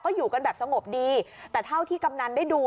อยู่กันแบบสงบดีแต่เท่าที่กำนันได้ดู